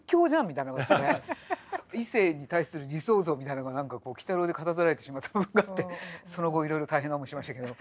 みたいなのがあって異性に対する理想像みたいなのが何かこう鬼太郎でかたどられてしまった部分があってその後いろいろ大変な思いしましたけど。